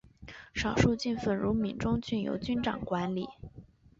少数郡份如闽中郡由君长管理。